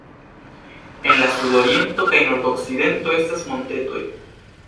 En la sudoriento kaj nordokcidento estas montetoj.